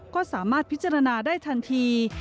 ก็สามารถพิจารณาได้ทันที